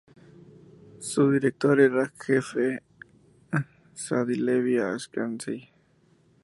Su director jefe era Saadi Levi Ashkenazi.